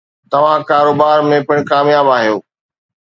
توهان ڪاروبار ۾ پڻ ڪامياب آهيو.